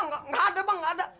nggak ada bang nggak ada